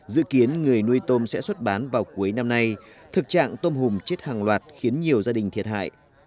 dự kiến người nuôi tôm sẽ xuất bán vào cuối năm nay thực trạng tôm hùm chết hàng loạt khiến nhiều gia đình thiệt hại